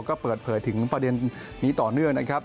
ก็เปิดเผยถึงประเด็นนี้ต่อเนื่องนะครับ